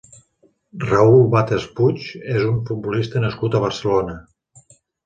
Raúl Vates Puig és un futbolista nascut a Barcelona.